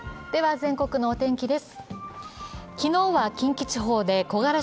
全国のお天気です。